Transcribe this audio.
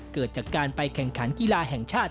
เกิดจากการไปแข่งขันกีฬาแห่งชาติ